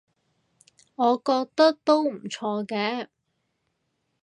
我覺得都唔錯嘅